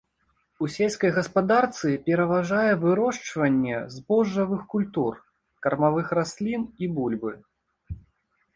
У сельскай гаспадарцы пераважае вырошчванне збожжавых культур, кармавых раслін і бульбы.